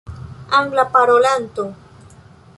anglaparolanto